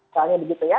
soalnya begitu ya